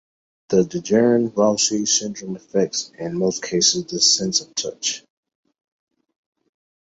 The Dejerine-Roussy syndrome affects in most cases the sense of touch.